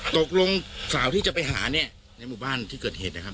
ตกลงสาวที่จะไปหาเนี่ยในหมู่บ้านที่เกิดเหตุนะครับ